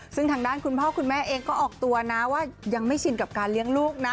ซึ่งทางด้านคุณพ่อคุณแม่เองก็ออกตัวนะว่ายังไม่ชินกับการเลี้ยงลูกนะ